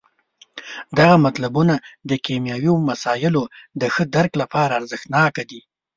دغه مطلبونه د کیمیاوي مسایلو د ښه درک لپاره ارزښت ناکه دي.